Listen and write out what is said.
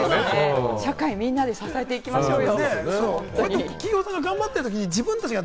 社会みんなで支えていきましょうよ。